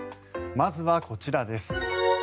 まずはこちらです。